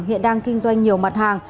hiện đang kinh doanh nhiều mặt hàng